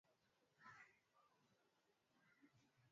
kuna masuala kadhaa